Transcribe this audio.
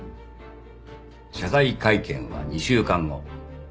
謝罪会見は２週間後。